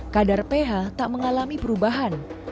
kadar ph tak mengalami perubahan